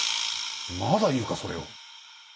まだ言うかそれを。